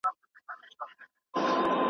ځکه خو په پاچهي سرايونو کي